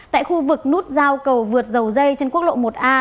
tại khu vực nút giao cầu vượt dầu dây trên quốc lộ một a